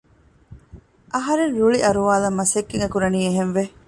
އަހަރެން ރުޅި އަރުވާލަން މަސައްކަތް އެކުރަނީ އެހެންވެ